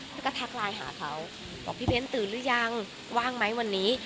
แล้วก็ทักไลน์หาเขาบอกพี่เบ้นตื่นหรือยังว่างไหมวันนี้